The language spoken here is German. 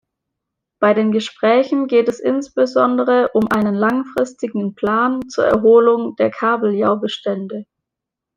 Bei den Gesprächen geht es insbesondere um einen langfristigen Plan zur Erholung der Kabeljaubestände.